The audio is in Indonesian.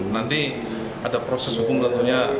nanti ada proses hukum tentunya